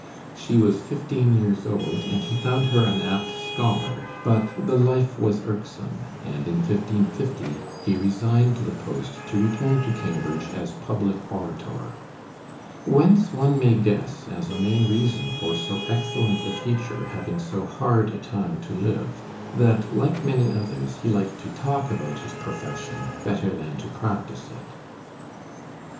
She was fifteen years old, and he found her an apt scholar; but the life was irksome, and in 1550 he resigned the post to return to Cambridge as public orator, whence one may guess as a main reason for so excellent a teacher having so hard a time to live, that like many others he liked to talk about his profession better than to practice it.